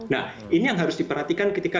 nah ini yang harus diperhatikan ketika